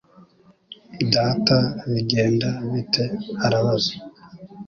Data, bigenda bite?" arabaza.